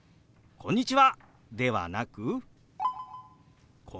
「こんにちは。